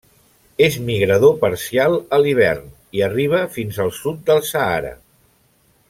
És migrador parcial a l'hivern i arriba fins al sud del Sàhara.